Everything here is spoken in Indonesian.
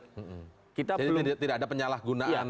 jadi tidak ada penyalahgunaan